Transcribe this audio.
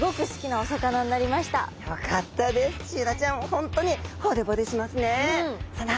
本当にほれぼれしますね。